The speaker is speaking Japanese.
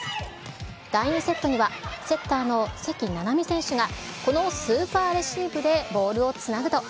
第２セットにはセッターの関菜々巳選手が、このスーパーレシーブでボールをつなぐと。